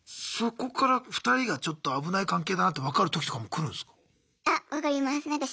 そこから２人がちょっと危ない関係だなって分かる時とかも来るんすか？